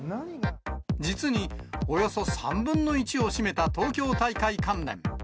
実におよそ３分の１を占めた東京大会関連。